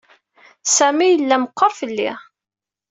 Sami yella meqqer fell-i.